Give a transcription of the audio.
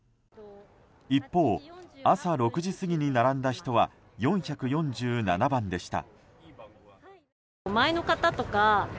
一方、朝６時過ぎに並んだ人は４４７番でした。